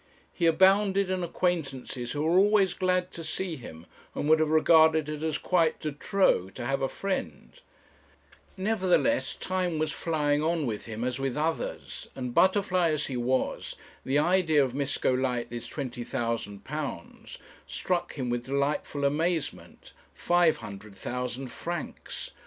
He abounded in acquaintances who were always glad to see him, and would have regarded it as quite de trop to have a friend. Nevertheless time was flying on with him as with others; and, butterfly as he was, the idea of Miss Golightly's £20,000 struck him with delightful amazement 500,000 francs!